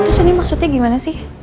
terus ini maksudnya gimana sih